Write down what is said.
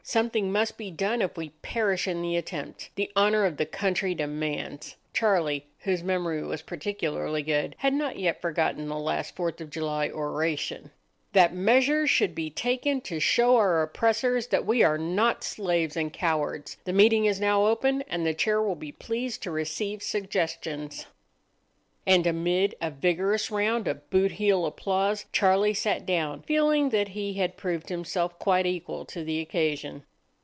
Something must be done, if we perish in the attempt. The honour of the country demands" (Charlie, whose memory was particularly good, had not yet forgotten the last 4th of July oration) "that measures should be taken to show to our oppressors that we are not slaves and cowards. The meeting is now open, and the chair will be pleased to receive suggestions." And amid a vigorous round of boot heel applause Charlie sat down, feeling that he had proved himself quite equal to the occasion.